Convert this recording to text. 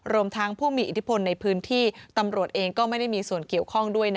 รวมทั้งผู้มีอิทธิพลในพื้นที่ตำรวจเองก็ไม่ได้มีส่วนเกี่ยวข้องด้วย